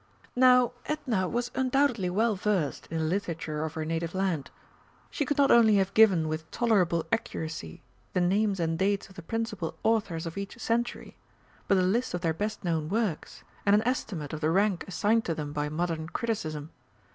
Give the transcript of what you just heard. Now Edna was undoubtedly well versed in the Literature of her native land. She could not only have given with tolerable accuracy the names and dates of the principal authors of each century, but a list of their best known works, and an estimate of the rank assigned to them by modern criticism.